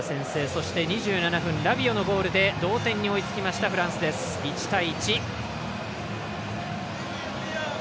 そして２７分、ラビオのゴールで同点に追いつきましたフランス１対１。